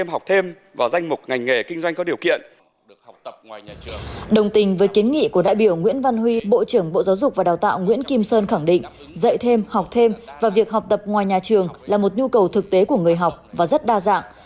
bộ trưởng bộ giáo dục và đào tạo nguyễn kim sơn khẳng định dạy thêm học thêm và việc học tập ngoài nhà trường là một nhu cầu thực tế của người học và rất đa dạng